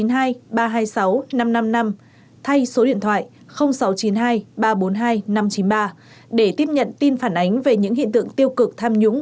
thay số điện thoại sáu trăm chín mươi hai ba trăm bốn mươi hai năm trăm chín mươi ba để tiếp nhận tin phản ánh về những hiện tượng tiêu cực tham nhũng